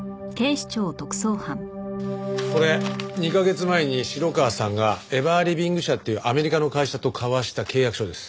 これ２カ月前に城川さんがエバーリビング社っていうアメリカの会社と交わした契約書です。